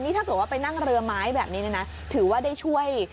ถ้าเกิดว่าไปนั่งเรือไม้แบบนี้ถือว่าได้ช่วย